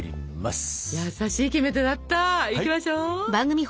優しいキメテだった！いきましょう！